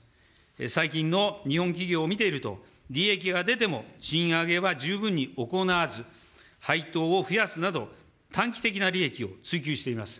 最近の日本企業を見ていると、利益が出ても、賃上げは十分に行わず、配当を増やすなど、短期的な利益を追求しています。